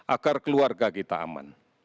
agar keluarga kita aman